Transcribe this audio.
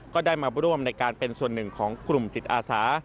ก็ได้มาร่วมในการเป็นส่วนหนึ่งของกลุ่มจิตอาสา